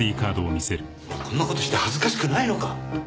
お前こんな事して恥ずかしくないのか？